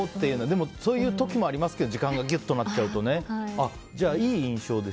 でも、そういう時もありますけど時間が、ぎゅっとなっちゃうと。